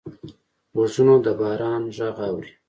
غوږونه د باران غږ اوري